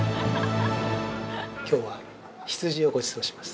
きょうは、羊をごちそうします。